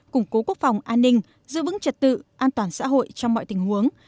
củng cố quốc phòng an ninh giữ vững trật tự an toàn xã hội trong mọi tình huống